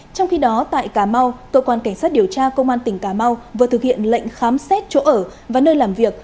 trong khi đó tại cà mau cơ quan cảnh sát điều tra công an tỉnh cà mau vừa thực hiện lệnh khám xét chỗ ở và nơi làm việc